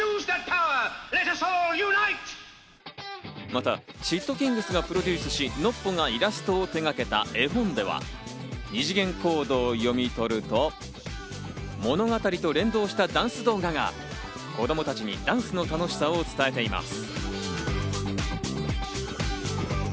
またｓ＊＊ｔｋｉｎｇｚがプロデュースし、ＮＯＰＰＯがイラストを手がけた絵本では、２次元コードを読み取ると、物語と連動したダンス動画が子供たちにダンスの楽しさを伝えています。